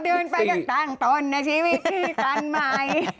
พอเดินไปกันต่างตนและชีวิตหน้ากันใหม่